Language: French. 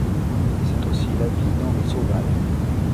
C'est aussi l'avis d'Henri Sauval.